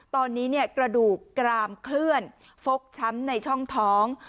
ตอนนี้กระดูกกรามเคลื่อนฟกช้ำในช่องท้อง